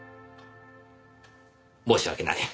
申し訳ない。